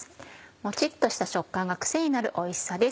モチっとした食感が癖になるおいしさです。